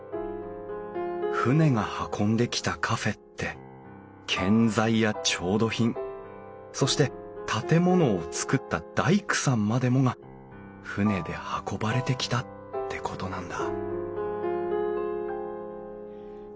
船が運んできたカフェって建材や調度品そして建物を造った大工さんまでもが船で運ばれてきたってことなんだ